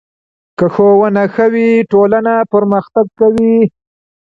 که ښوونه ښه وي، ټولنه پرمختګ کوي.